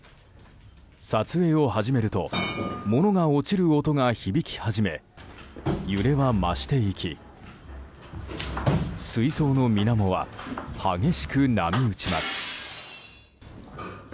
撮影を始めると物が落ちる音が響き始め揺れは増していき水槽のみなもは激しく波打ちます。